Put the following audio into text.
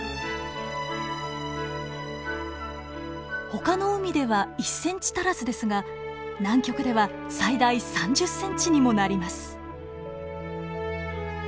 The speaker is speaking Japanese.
ほかの海では１ｃｍ足らずですが南極では最大３０ｃｍにもなります。